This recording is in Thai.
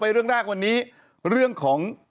เรื่องแรกวันนี้เรื่องของ